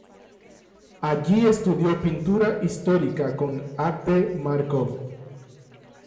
Allí estudió pintura histórica con A. T. Markov.